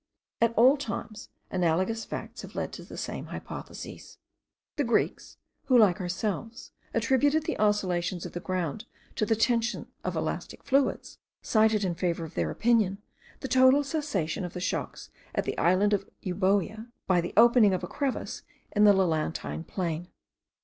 At all times analogous facts have led to the same hypotheses. The Greeks, who, like ourselves, attributed the oscillations of the ground to the tension of elastic fluids, cited in favour of their opinion, the total cessation of the shocks at the island of Euboea, by the opening of a crevice in the Lelantine plain.